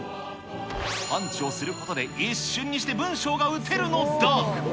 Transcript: パンチをすることで一瞬にして文章が打てるのだ。